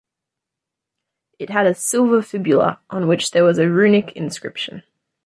It had a silver fibula on which there was a runic inscription.